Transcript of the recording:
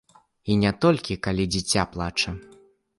І не толькі калі дзіця плача.